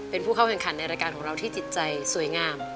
เป็นผู้เข้าแข่งขันในรายการของเราที่จิตใจสวยงาม